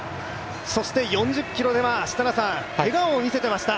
そして、４０ｋｍでは笑顔も見せていました。